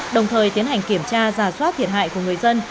đồng thời tiến hành kiểm tra giả soát thiệt hại của người dân